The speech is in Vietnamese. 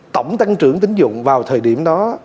tổng tăng trưởng tính dụng vào thời điểm đó